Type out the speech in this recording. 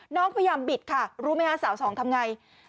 น้องพยายามบิดค่ะรู้ไหมคะสาวสองทำไง